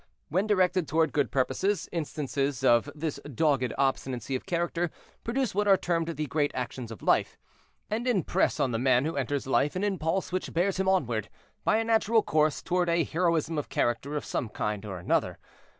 When directed toward good purposes, instances of this dogged obstinacy of character produce what are termed the great actions of life, and impress on the man who enters life an impulse which bears him onward, by a natural course, toward a heroism of character of some kind or another.